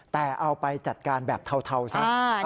แต่เอาไปจัดการแบบเทาซะ